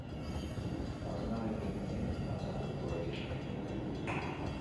Patronalekin ere batzartuko direla gaineratu dute.